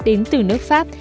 đến từ nước pháp